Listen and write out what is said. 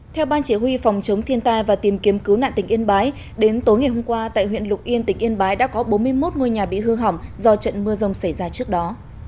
theo ban chỉ huy phòng chống thiên tai và tìm kiếm cứu nạn tỉnh yên bái đến tối ngày hôm qua tại huyện lục yên tỉnh yên bái đã có bốn mươi một ngôi nhà bị hư hỏng do trận mưa rông xảy ra trước đó